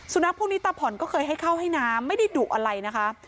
นักพวกนี้ตาผ่อนก็เคยให้เข้าให้น้ำไม่ได้ดุอะไรนะคะ